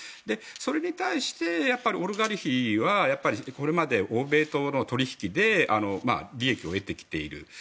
それに対してオリガルヒはこれまで欧米との取引で利益を得てきている。